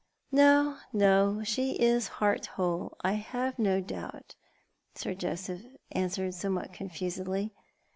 " No, no, she is heart whole, I have no doubt," Sir Joseph answered somewhat confusedly.